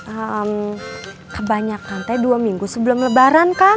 ehm kebanyakan teh dua minggu sebelum lebaran kan